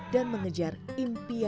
dan mengejar impian